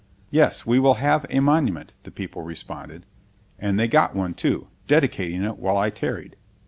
"Yes, we will have a monument," the people responded. And they got one, too, dedicating it while I tarried.